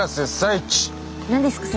何ですか？